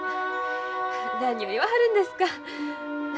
何を言わはるんですか。